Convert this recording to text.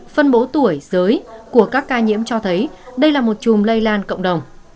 phân bố tuổi giới của các ca nhiễm cho thấy đây là một chùm lây lan cộng đồng